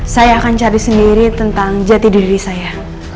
saya akan cari sendiri tentang jati diri saya